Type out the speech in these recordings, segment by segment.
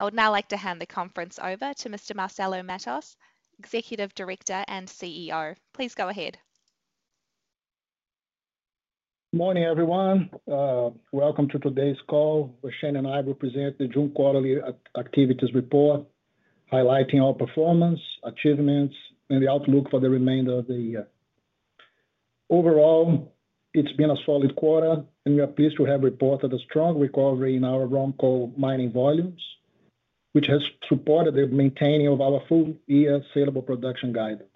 I would now like to hand the conference over to Mr. Marcelo Matos, Executive Director and CEO. Please go ahead. Morning everyone. Welcome to today's call where Shane and I will present the June Quarterly Activities Report, highlighting our performance, achievements, and the outlook for the remainder of the year. Overall, it's been a solid quarter, and we are pleased to have reported a strong recovery in our ROM coal mining volumes, which has supported the maintaining of our full-year saleable production guidance.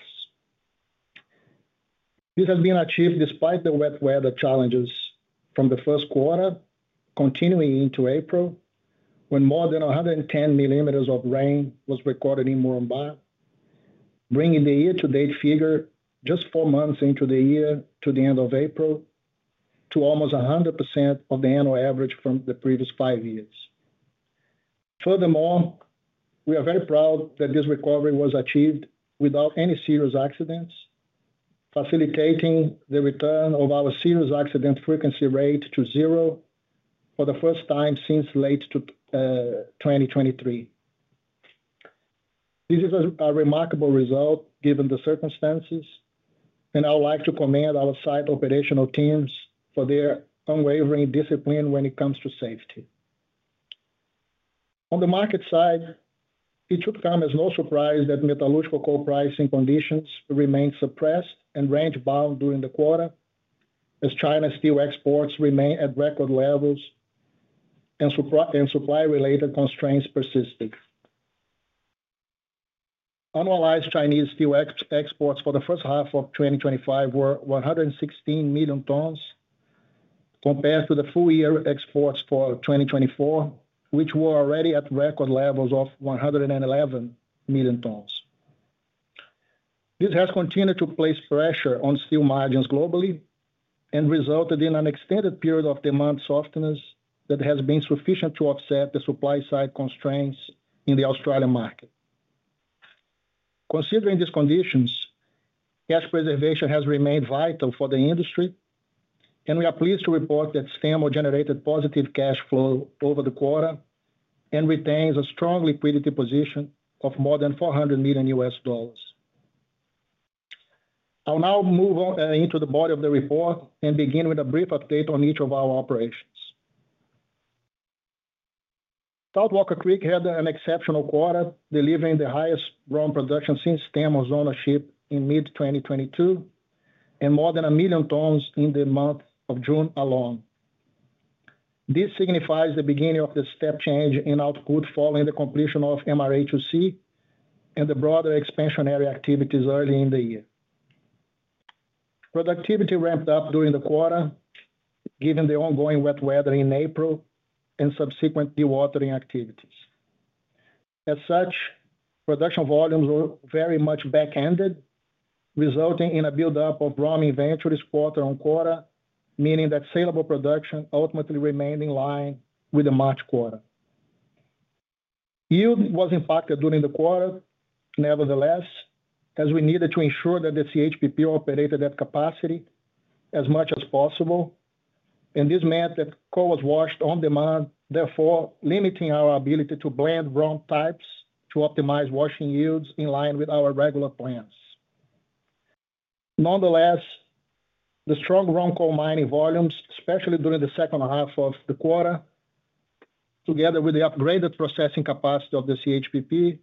This has been achieved despite the wet weather challenges from the first quarter, continuing into April, when more than 110 millimeters of rain was recorded in Isaac Plains, bringing the year-to-date figure just four months into the year, to the end of April, to almost 100% of the annual average from the previous five years. Furthermore, we are very proud that this recovery was achieved without any serious accidents, facilitating the return of our serious accident frequency rate to zero for the first time since late 2023. This is a remarkable result given the circumstances, and I would like to commend our site operational teams for their unwavering discipline when it comes to safety. On the market side, it should come as no surprise that metallurgical coal pricing conditions remain suppressed and range-bound during the quarter, as China's steel exports remain at record levels and supply-related constraints persisted. Annualized Chinese steel exports for the first half of 2025 were 116 million tons, compared to the full-year exports for 2024, which were already at record levels of 111 million tons. This has continued to place pressure on steel margins globally and resulted in an extended period of demand softeners that has been sufficient to offset the supply-side constraints in the Australian market. Considering these conditions, cash preservation has remained vital for the industry, and we are pleased to report that Stanmore generated positive cash flow over the quarter and retains a strong liquidity position of more than $400 million. I'll now move on into the body of the report and begin with a brief update on each of our operations. South Walker Creek had an exceptional quarter, delivering the highest ROM coal production since Stanmore's ownership in mid-2022, and more than a million tons in the month of June alone. This signifies the beginning of the step change in output following the completion of MRA2C and the broader expansionary activities early in the year. Productivity ramped up during the quarter, given the ongoing wet weather in April and subsequent dewatering activities. As such, production volumes were very much back-ended, resulting in a buildup of ROM coal inventories quarter on quarter, meaning that saleable production ultimately remained in line with the March quarter. Yield was impacted during the quarter. Nevertheless, as we needed to ensure that the CHPP operated at capacity as much as possible, and this meant that coal was washed on demand, therefore limiting our ability to blend ROM coal types to optimize washing yields in line with our regular plans. Nonetheless, the strong ROM coal mining volumes, especially during the second half of the quarter, together with the upgraded processing capacity of the CHPP,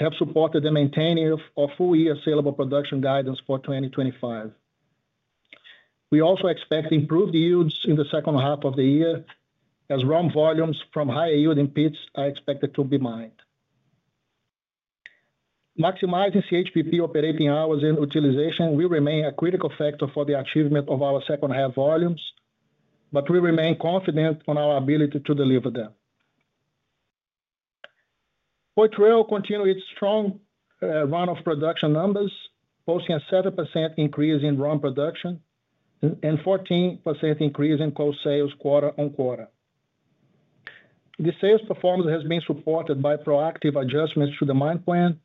have supported the maintaining of full-year saleable production guidance for 2025. We also expect improved yields in the second half of the year, as ROM coal volumes from higher yielding pits are expected to be mined. Maximizing CHPP operating hours and utilization will remain a critical factor for the achievement of our second-half volumes, but we remain confident on our ability to deliver them. Poitrel continued its strong run of production numbers, posting a 7% increase in ROM coal production and a 14% increase in coal sales quarter on quarter. This sales performance has been supported by proactive adjustments to the mine plan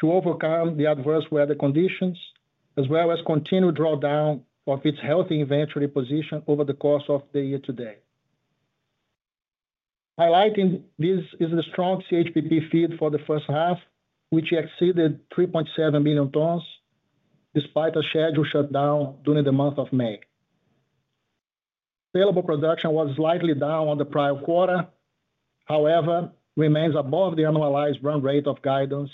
to overcome the adverse weather conditions, as well as continued drawdown of its healthy inventory position over the course of the year to date. Highlighting this is the strong CHPP feed for the first half, which exceeded 3.7 million tons, despite a scheduled shutdown during the month of May. Saleable production was slightly down on the prior quarter, however, it remains above the annualized run rate of guidance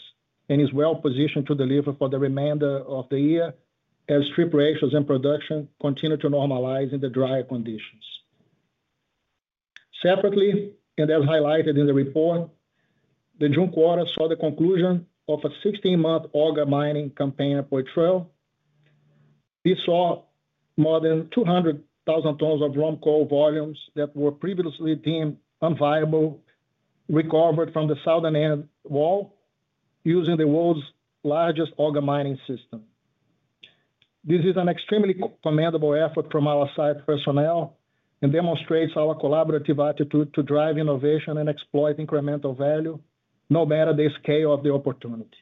and is well-positioned to deliver for the remainder of the year, as strip ratios and production continue to normalize in the drier conditions. Separately, and as highlighted in the report, the June quarter saw the conclusion of a 16-month auger mining campaign at Poitrel. This saw more than 200,000 tons of ROM coal volumes that were previously deemed unviable recovered from the southern end wall using the world's largest auger mining system. This is an extremely commendable effort from our site personnel and demonstrates our collaborative attitude to drive innovation and exploit incremental value, no matter the scale of the opportunity.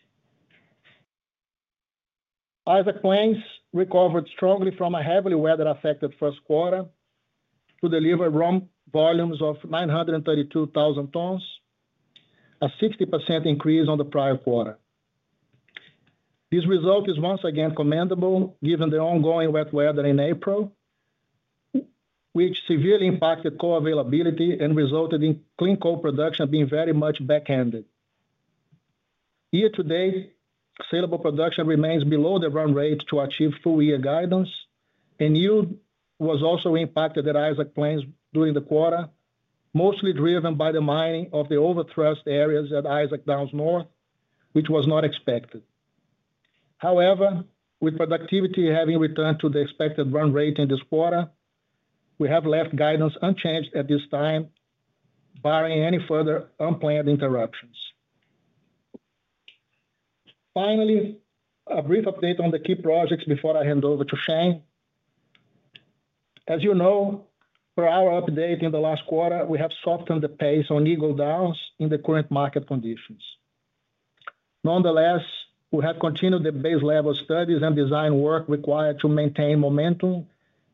Isaac Plains recovered strongly from a heavily weather-affected first quarter to deliver ROM coal volumes of 932,000 tons, a 60% increase on the prior quarter. This result is once again commendable, given the ongoing wet weather in April, which severely impacted coal availability and resulted in clean coal production being very much back-ended. Year to date, saleable production remains below the run rate to achieve full-year guidance, and yield was also impacted at Isaac Plains during the quarter, mostly driven by the mining of the over-thrust areas at Isaac Downs North, which was not expected. However, with productivity having returned to the expected run rate in this quarter, we have left guidance unchanged at this time, barring any further unplanned interruptions. Finally, a brief update on the key projects before I hand over to Shane. As you know, per our update in the last quarter, we have softened the pace on Eagle Downs in the current market conditions. Nonetheless, we have continued the base-level studies and design work required to maintain momentum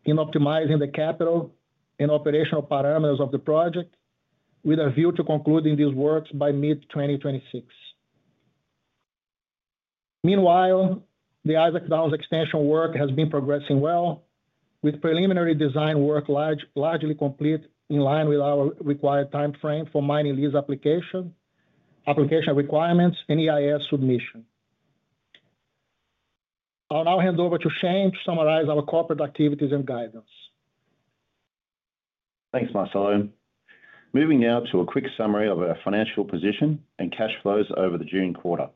in optimizing the capital and operational parameters of the project, with a view to concluding these works by mid-2026. Meanwhile, the Isaac Downs extension work has been progressing well, with preliminary design work largely complete in line with our required timeframe for mining lease application, application requirements, and EIS submission. I'll now hand over to Shane to summarize our corporate activities and guidance. Thanks, Marcelo. Moving now to a quick summary of our financial position and cash flows over the June quarter.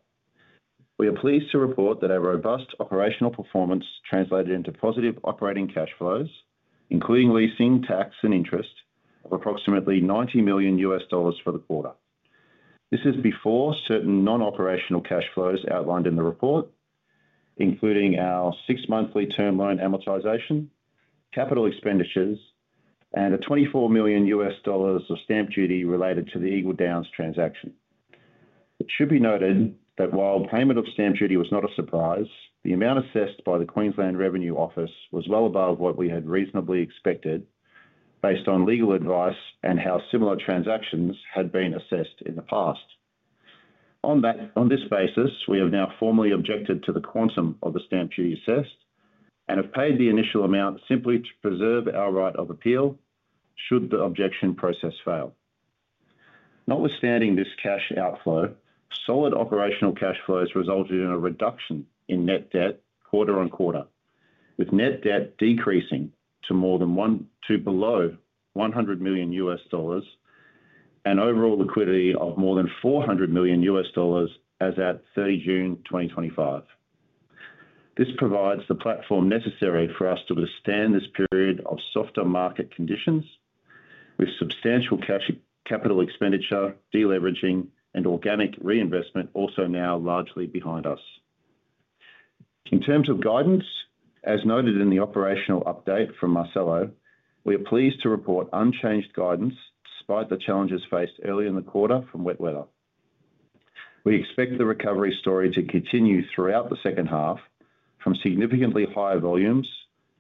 We are pleased to report that our robust operational performance translated into positive operating cash flows, including leasing, tax, and interest, of approximately $90 million for the quarter. This is before certain non-operational cash flows outlined in the report, including our six-monthly term loan amortization, capital expenditures, and a $24 million of stamp duty related to the Eagle Downs transaction. It should be noted that while payment of stamp duty was not a surprise, the amount assessed by the Queensland Revenue Office was well above what we had reasonably expected based on legal advice and how similar transactions had been assessed in the past. On this basis, we have now formally objected to the quantum of the stamp duty assessed and have paid the initial amount simply to preserve our right of appeal should the objection process fail. Notwithstanding this cash outflow, solid operational cash flows resulted in a reduction in net debt quarter on quarter, with net debt decreasing to more than one to below $100 million and overall liquidity of more than $400 million as at 30 June 2025. This provides the platform necessary for us to withstand this period of softer market conditions, with substantial capital expenditure, deleveraging, and organic reinvestment also now largely behind us. In terms of guidance, as noted in the operational update from Marcelo, we are pleased to report unchanged guidance despite the challenges faced early in the quarter from wet weather. We expect the recovery story to continue throughout the second half from significantly higher volumes,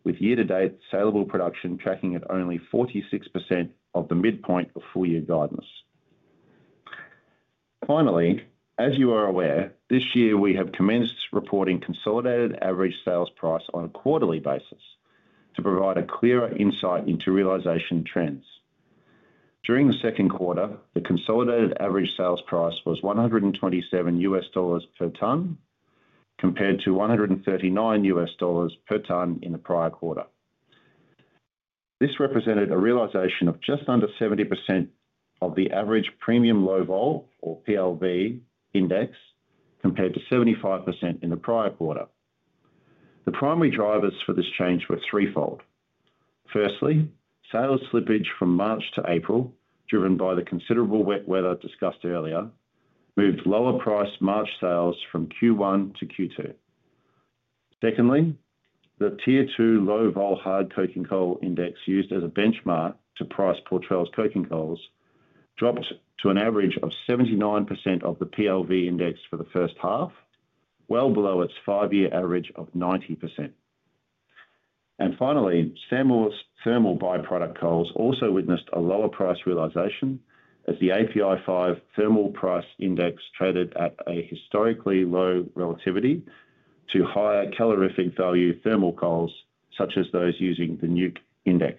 with year-to-date saleable production tracking at only 46% of the midpoint of full-year guidance. Finally, as you are aware, this year we have commenced reporting consolidated average sales price on a quarterly basis to provide a clearer insight into realization trends. During the second quarter, the consolidated average sales price was $127 per ton, compared to $139 per ton in the prior quarter. This represented a realization of just under 70% of the average premium low vol, or PLV index, compared to 75% in the prior quarter. The primary drivers for this change were threefold. Firstly, sales slippage from March to April, driven by the considerable wet weather discussed earlier, moved lower-priced March sales from Q1-Q2. Secondly, the Tier 2 low vol hard coking coal index used as a benchmark to price Poitrel's coking coals dropped to an average of 79% of the PLV index for the first half, well below its five-year average of 90%. Finally, Stanmore's thermal byproduct coals also witnessed a lower price realization as the API5 thermal price index traded at a historically low relativity to higher calorific value thermal coals, such as those using the Newcastle index.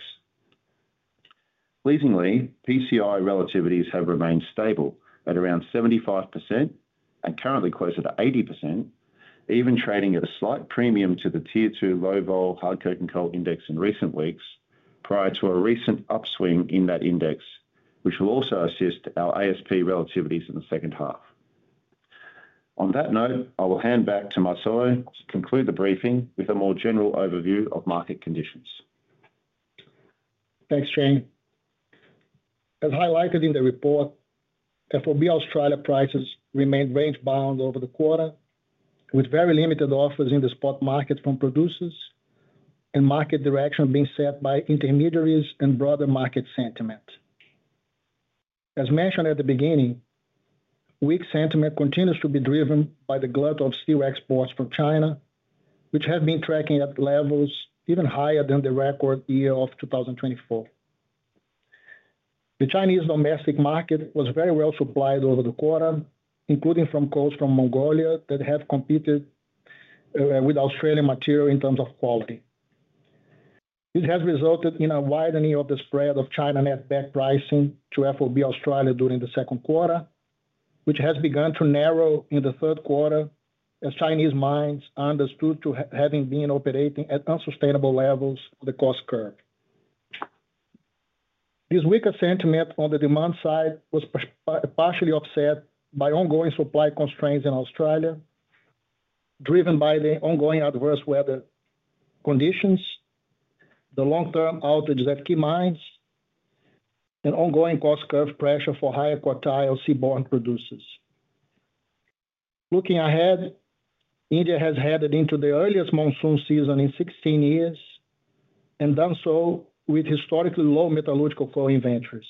Pleasingly, PCI relativities have remained stable at around 75% and currently closer to 80%, even trading at a slight premium to the Tier 2 low vol hard coking coal index in recent weeks, prior to a recent upswing in that index, which will also assist our ASP relativities in the second half. On that note, I will hand back to Marcelo to conclude the briefing with a more general overview of market conditions. Thanks, Shane. As highlighted in the report, FOB Australia prices remain range-bound over the quarter, with very limited offers in the spot market from producers and market direction being set by intermediaries and broader market sentiment. As mentioned at the beginning, weak sentiment continues to be driven by the glut of steel exports from China, which have been tracking at levels even higher than the record year of 2024. The Chinese domestic market was very well supplied over the quarter, including from coals from Mongolia that have competed with Australian material in terms of quality. This has resulted in a widening of the spread of China net back pricing to FOB Australia during the second quarter, which has begun to narrow in the third quarter as Chinese mines are understood to have been operating at unsustainable levels of the cost curve. This weaker sentiment on the demand side was partially offset by ongoing supply constraints in Australia, driven by the ongoing adverse weather conditions, the long-term outages at key mines, and ongoing cost curve pressure for higher quartile seaborne producers. Looking ahead, India has headed into the earliest monsoon season in 16 years and done so with historically low metallurgical coal inventories.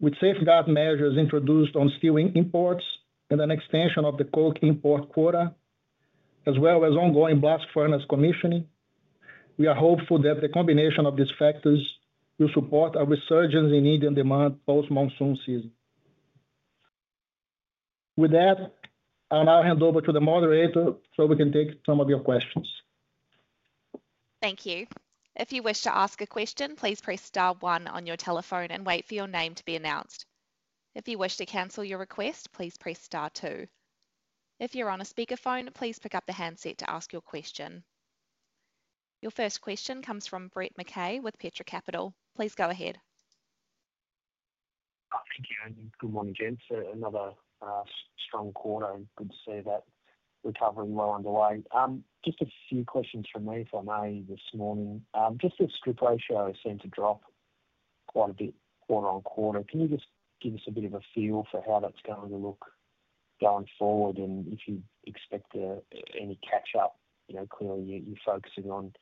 With safeguard measures introduced on steel imports and an extension of the coke import quota, as well as ongoing blast furnace commissioning, we are hopeful that the combination of these factors will support a resurgence in Indian demand post-monsoon season. With that, I'll now hand over to the moderator so we can take some of your questions. Thank you. If you wish to ask a question, please press star one on your telephone and wait for your name to be announced. If you wish to cancel your request, please press star two. If you're on a speakerphone, please pick up the handset to ask your question. Your first question comes from Brett McKay with Petra Capital. Please go ahead. Thank you. Good morning, gents. Another strong quarter. I'm good to see that recovering well underway. Just a few questions from me if I may this morning. Just this strip ratio seemed to drop quite a bit quarter on quarter. Can you just give us a bit of a feel for how that's going to look going forward and if you expect any catch-up? You know, clearly you're focusing on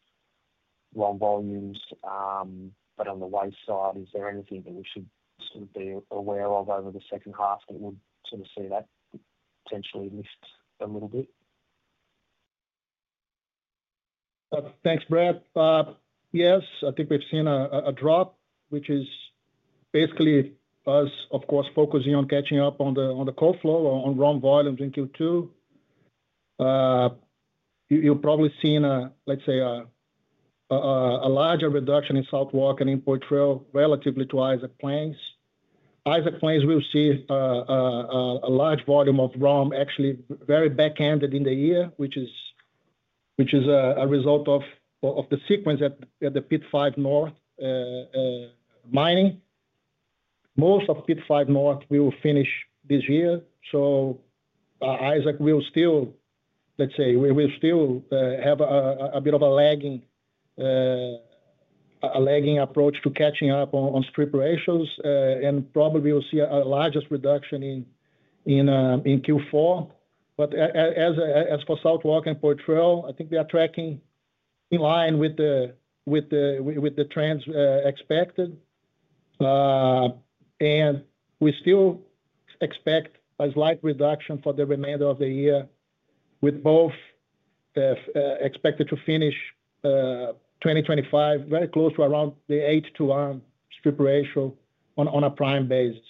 long volumes, but on the wayside, is there anything that we should sort of be aware of over the second half that would sort of see that potentially lift a little bit? Thanks, Brett. Yes, I think we've seen a drop, which is basically us, of course, focusing on catching up on the coal flow on ROM coal volumes in Q2. You've probably seen, let's say, a larger reduction in South Walker Creek and in Poitrel relatively to Isaac Plains. Isaac Plains will see a large volume of ROM coal actually very back-ended in the year, which is a result of the sequence at the Pit 5 North mining. Most of the Pit 5 North will finish this year. Isaac will still, let's say, we will still have a bit of a lagging approach to catching up on strip ratios and probably we'll see a largest reduction in Q4. As for South Walker Creek and Poitrel, I think they are tracking in line with the trends expected. We still expect a slight reduction for the remainder of the year, with both expected to finish 2025 very close to around the 8 to 1 strip ratio on a prime basis.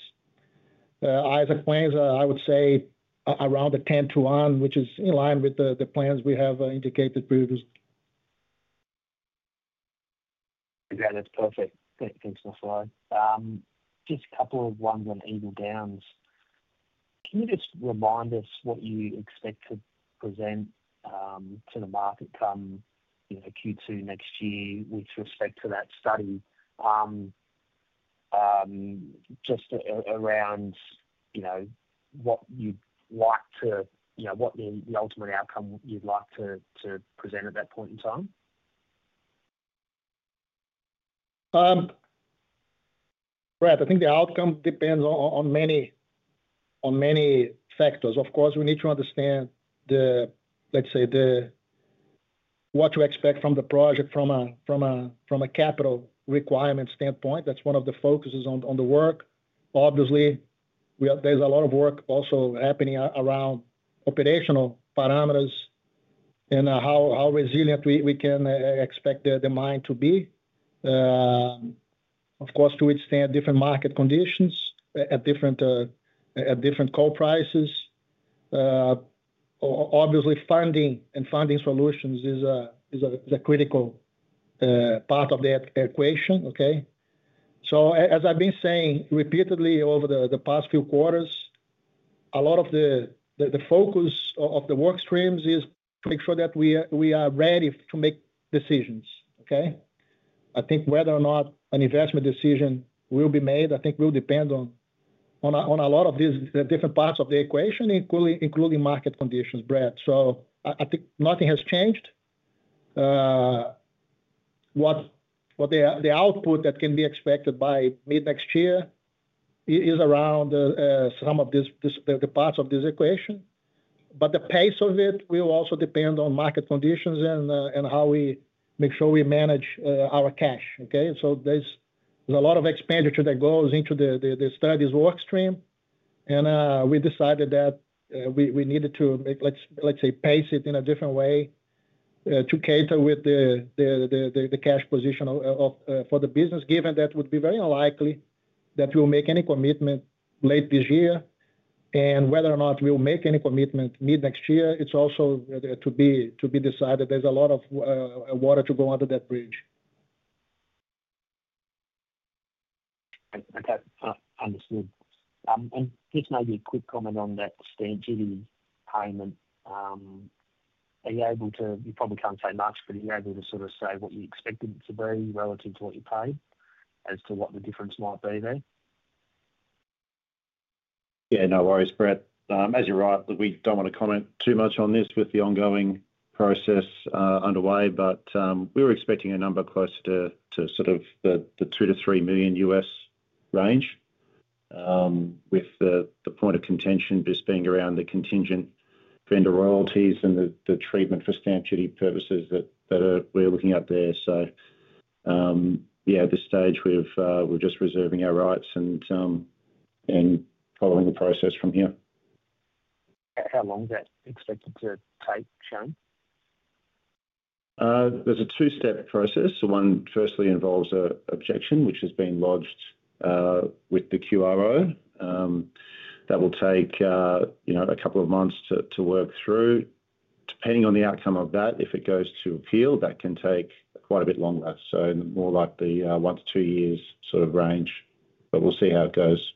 Isaac Plains, I would say, around the 10-1, which is in line with the plans we have indicated previously. Yeah, that's perfect. Thanks, Marcelo. Just a couple of ones on Eagle Downs. Can you just remind us what you expect to present to the market come Q2 next year with respect to that study? Just around what you'd like to, what the ultimate outcome you'd like to present at that point in time? Brett, I think the outcome depends on many factors. Of course, we need to understand what to expect from the project from a capital requirement standpoint. That's one of the focuses on the work. Obviously, there's a lot of work also happening around operational parameters and how resilient we can expect the mine to be. Of course, to which extent different market conditions at different coal prices. Obviously, funding and funding solutions is a critical part of that equation. As I've been saying repeatedly over the past few quarters, a lot of the focus of the workstreams is to make sure that we are ready to make decisions. I think whether or not an investment decision will be made will depend on a lot of these different parts of the equation, including market conditions, Brett. I think nothing has changed. What the output that can be expected by mid-next year is around some of the parts of this equation. The pace of it will also depend on market conditions and how we make sure we manage our cash. There's a lot of expenditure that goes into the studies workstream. We decided that we needed to pace it in a different way to cater with the cash position for the business, given that it would be very unlikely that we'll make any commitment late this year. Whether or not we'll make any commitment mid-next year is also to be decided. There's a lot of water to go under that bridge. I understood. Maybe a quick comment on that stamp duty payment. Are you able to, you probably can't say much, but are you able to sort of say what you expect it to be relative to what you paid, as to what the difference might be there? Yeah, no worries, Brett. As you're right, we don't want to comment too much on this with the ongoing process underway, but we were expecting a number closer to the $2 million-$3 million range, with the point of contention just being around the contingent vendor royalties and the treatment for stamp duty purposes that we're looking at there. At this stage, we're just reserving our rights and following the process from here. How long is that expected to take, Shane? There's a two-step process. The one firstly involves an objection, which has been lodged with the QRO. That will take a couple of months to work through. Depending on the outcome of that, if it goes to appeal, that can take quite a bit longer, more like the one to two years sort of range. We'll see how it goes.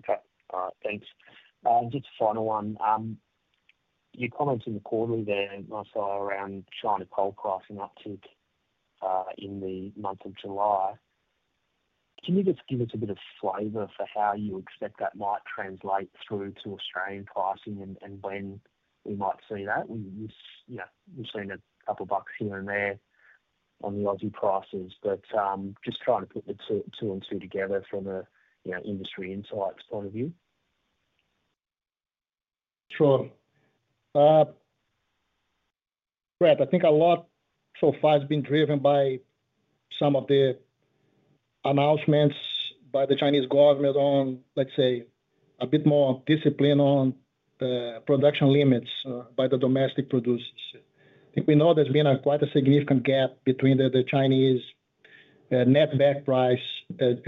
Okay. All right, thanks. Just a final one. You commented in the quarterly there, Marcelo, around China coal pricing uptick in the month of July. Can you just give us a bit of flavor for how you expect that might translate through to Australian pricing and when we might see that? We've seen a couple of bucks here and there on the Aussie prices, just trying to put the two and two together from an industry insights point of view? Sure. Brett, I think a lot so far has been driven by some of the announcements by the Chinese government on, let's say, a bit more discipline on production limits by the domestic producers. I think we know there's been quite a significant gap between the Chinese net back price with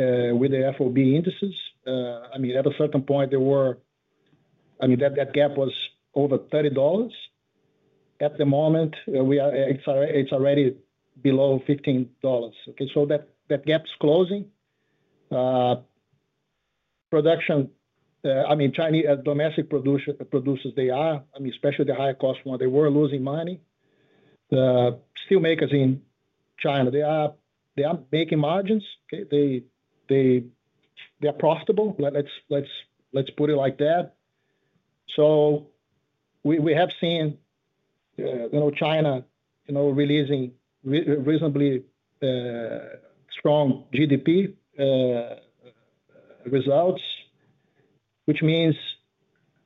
the FOB indices. At a certain point, that gap was over $30. At the moment, it's already below $15. That gap is closing. Production, domestic producers, especially the higher cost ones, were losing money. Steelmakers in China are making margins. They are profitable. Let's put it like that. We have seen China releasing reasonably strong GDP results, which means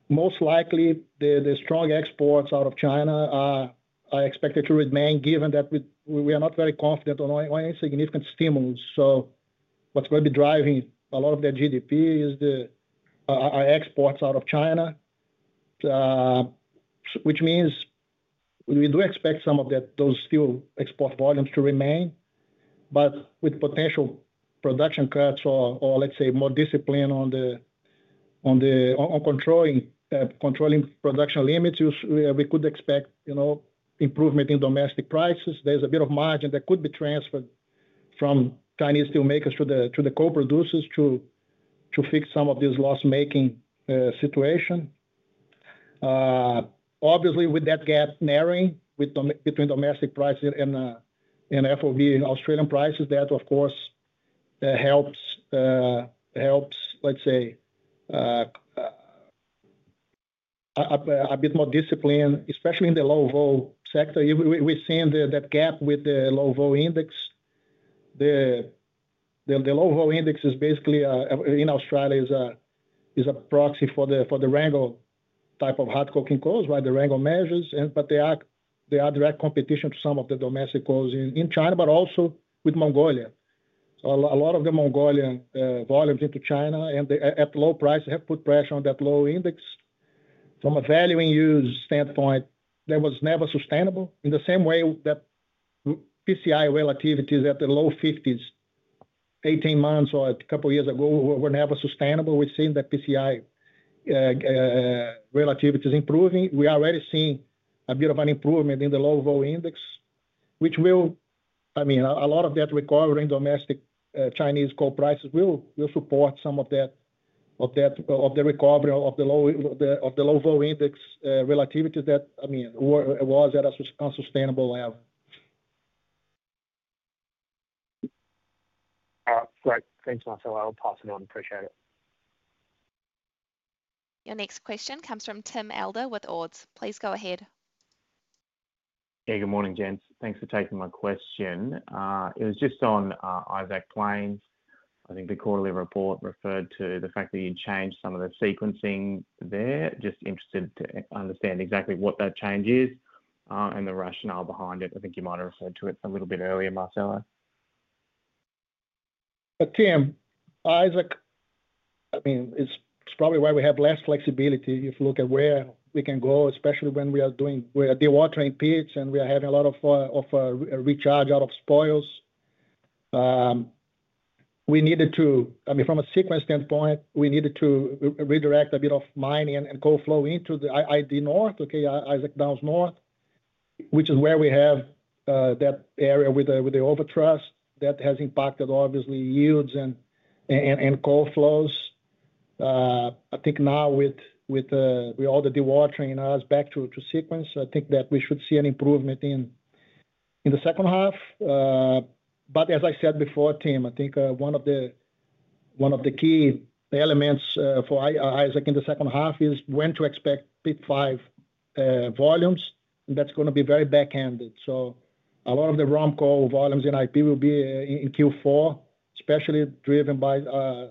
most likely the strong exports out of China are expected to remain, given that we are not very confident on any significant stimulus. What's going to be driving a lot of their GDP is the exports out of China, which means we do expect some of those steel export volumes to remain. With potential production cuts or, let's say, more discipline on controlling production limits, we could expect improvement in domestic prices. There's a bit of margin that could be transferred from Chinese steelmakers to the coal producers to fix some of these loss-making situations. Obviously, with that gap narrowing between domestic prices and FOB Australian prices, that helps, let's say, a bit more discipline, especially in the low vol sector. We've seen that gap with the low vol index. The low vol index in Australia is a proxy for the hard coking coals, right? The hard coking coals are in direct competition to some of the domestic coals in China, but also with Mongolia. A lot of the Mongolian volumes into China and at low prices have put pressure on that low index. From a value and use standpoint, that was never sustainable in the same way that PCI relativities at the low 50s, 18 months or a couple of years ago, were never sustainable. We've seen that PCI relativity is improving. We are already seeing a bit of an improvement in the low vol index, which will, a lot of that recovery in domestic Chinese coal prices will support some of the recovery of the low vol index relativity that was at an unsustainable level. All right. Thanks, Marcelo. I'll pass it on. Appreciate it. Your next question comes from Tim Elder with Ord Minnett. Please go ahead. Hey, good morning, gents. Thanks for taking my question. It was just on Isaac Plains. I think the quarterly report referred to the fact that you changed some of the sequencing there. Just interested to understand exactly what that change is and the rationale behind it. I think you might have referred to it a little bit earlier, Marcelo. Tim, Isaac, I mean, it's probably why we have less flexibility if you look at where we can go, especially when we are doing, we are dewatering pits, and we are having a lot of recharge out of spoils. We needed to, I mean, from a sequence standpoint, we needed to redirect a bit of mining and coal flow into the ID North, Isaac Downs North, which is where we have that area with the over-thrust that has impacted, obviously, yields and coal flows. I think now with all the dewatering and us back to sequence, I think that we should see an improvement in the second half. As I said before, Tim, I think one of the key elements for Isaac in the second half is when to expect pit five volumes, and that's going to be very back-ended. A lot of the ROM coal volumes in IP will be in Q4, especially driven by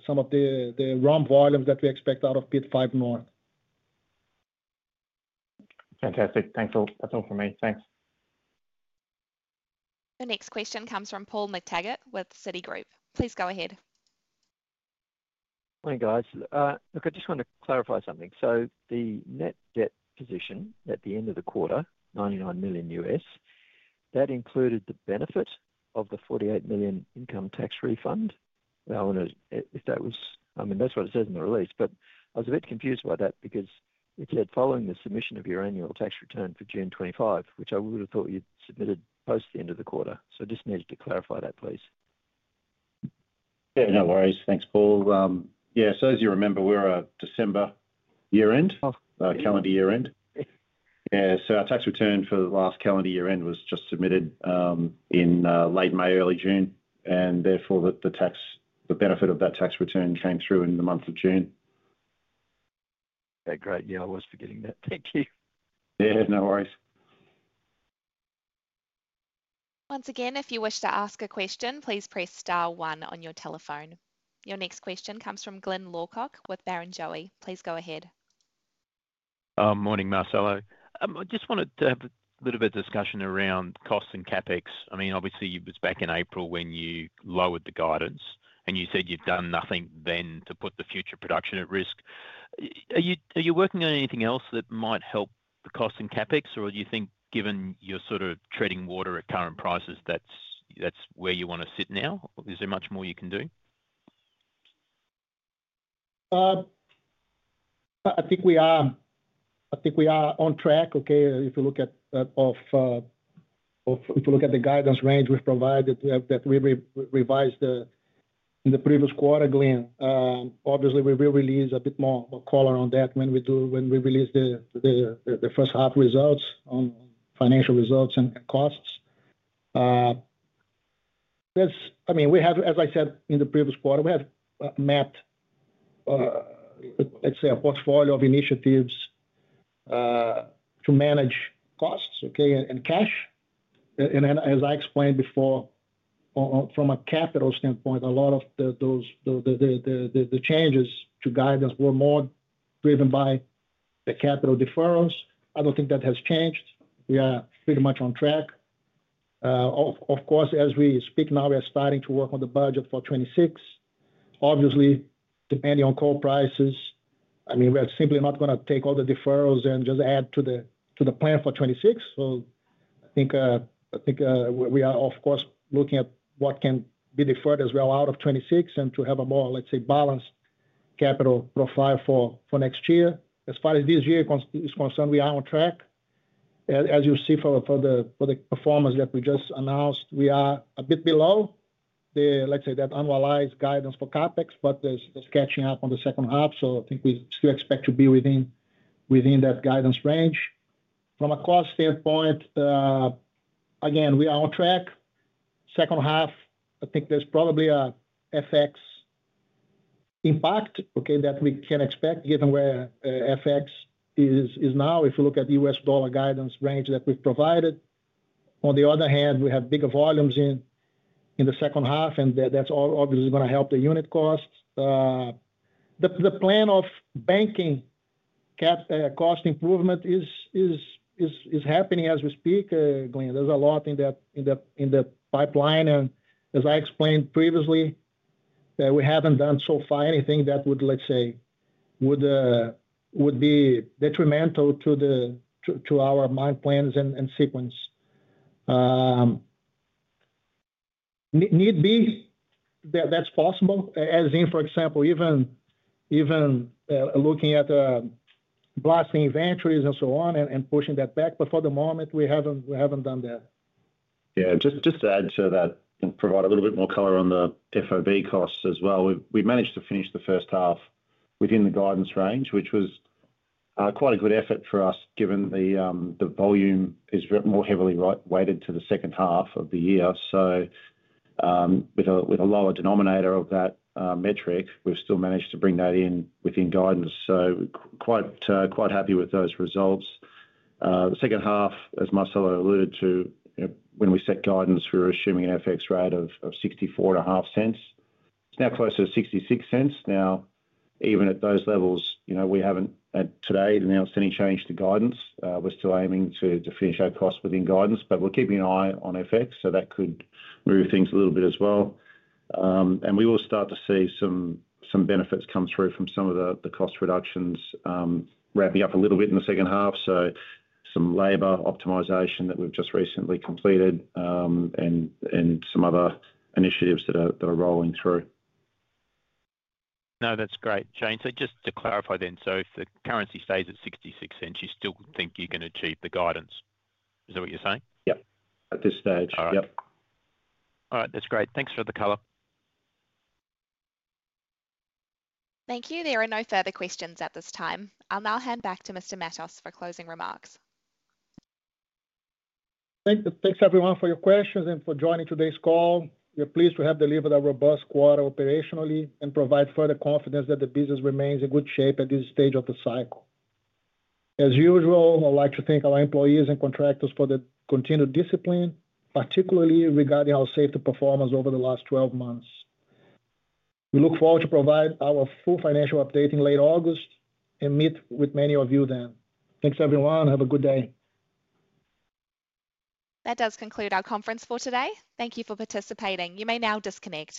some of the ROM volumes that we expect out of Pit 5 North. Fantastic. Thanks. That's all for me. Thanks. The next question comes from Paul McTaggart with Citigroup. Please go ahead. Hi guys. I just want to clarify something. The net debt position at the end of the quarter, $99 million US, that included the benefit of the $48 million income tax refund. I wonder if that was, I mean, that's what it says in the release, but I was a bit confused by that because it said following the submission of your annual tax return for June 2025, which I would have thought you'd submitted post the end of the quarter. I just needed to clarify that, please. Yeah, no worries. Thanks, Paul. As you remember, we're a December year-end, calendar year-end. Our tax return for the last calendar year-end was just submitted in late May, early June, and therefore the benefit of that tax return came through in the month of June. Okay, great. I was forgetting that. Thank you. Yeah, no worries. Once again, if you wish to ask a question, please press star one on your telephone. Your next question comes from Glyn Lawcock with Barrenjoey. Please go ahead. Morning, Marcelo. I just wanted to have a little bit of discussion around costs and CapEx. I mean, obviously, it was back in April when you lowered the guidance, and you said you'd done nothing then to put the future production at risk. Are you working on anything else that might help the costs and CapEx, or do you think given you're sort of treading water at current prices, that's where you want to sit now? Is there much more you can do? I think we are, I think we are on track. If you look at the guidance range we've provided, that we revised in the previous quarter, Glyn, obviously, we will release a bit more color on that when we do, when we release the first half results on financial results and costs. We have, as I said in the previous quarter, mapped, let's say, a portfolio of initiatives to manage costs and cash. As I explained before, from a capital standpoint, a lot of those changes to guidance were more driven by the capital deferrals. I don't think that has changed. We are pretty much on track. Of course, as we speak now, we are starting to work on the budget for 2026. Obviously, depending on coal prices, we are simply not going to take all the deferrals and just add to the plan for 2026. I think we are, of course, looking at what can be deferred as well out of 2026 and to have a more, let's say, balanced capital profile for next year. As far as this year is concerned, we are on track. As you see for the performance that we just announced, we are a bit below that unrealized guidance for CapEx, but there's catching up on the second half. I think we still expect to be within that guidance range. From a cost standpoint, again, we are on track. Second half, I think there's probably an FX impact that we can expect given where FX is now. If you look at the U.S. dollar guidance range that we've provided, on the other hand, we have bigger volumes in the second half, and that's obviously going to help the unit costs. The plan of banking cost improvement is happening as we speak, Glyn. There's a lot in that pipeline, and as I explained previously, we haven't done so far anything that would be detrimental to our mine plans and sequence. If need be, that's possible, as in, for example, even looking at blasting inventories and so on and pushing that back. For the moment, we haven't done that. Yeah, just to add to that and provide a little bit more color on the FOB costs as well, we've managed to finish the first half within the guidance range, which was quite a good effort for us given the volume is more heavily weighted to the second half of the year. With a lower denominator of that metric, we've still managed to bring that in within guidance. Quite happy with those results. The second half, as Marcelo alluded to, when we set guidance, we were assuming an FX rate of $0.645. It's now closer to $0.66. Even at those levels, you know, we haven't today announced any change to guidance. We're still aiming to finish our costs within guidance, but we're keeping an eye on FX, so that could move things a little bit as well. We will start to see some benefits come through from some of the cost reductions ramping up a little bit in the second half. Some labor optimization that we've just recently completed and some other initiatives that are rolling through. No, that's great, Shane. Just to clarify then, if the currency stays at $0.66, you still think you're going to achieve the guidance. Is that what you're saying? Yep, at this stage. Yep. All right, that's great. Thanks for the color. Thank you. There are no further questions at this time. I'll now hand back to Mr. Matos for closing remarks. Thanks everyone for your questions and for joining today's call. We are pleased to have delivered a robust quarter operationally and provide further confidence that the business remains in good shape at this stage of the cycle. As usual, I'd like to thank our employees and contractors for the continued discipline, particularly regarding our safe performance over the last 12 months. We look forward to providing our full financial update in late August and meet with many of you then. Thanks everyone. Have a good day. That does conclude our conference for today. Thank you for participating. You may now disconnect.